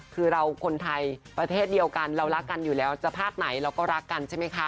คือเราคนไทยประเทศเดียวกันเรารักกันอยู่แล้วจะภาคไหนเราก็รักกันใช่ไหมคะ